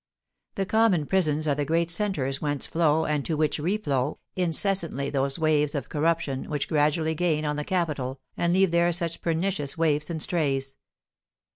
The common prisons are the great centres whence flow, and to which reflow, incessantly those waves of corruption which gradually gain on the capital, and leave there such pernicious waifs and strays.